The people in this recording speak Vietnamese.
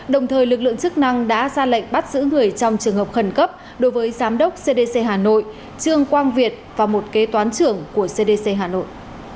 đồng thời lực lượng chức năng đã ra lệnh bắt giữ người trong trường hợp khẩn cấp đối với giám đốc cdc hà nội trương quang việt và một kế toán trưởng của cdc hà nội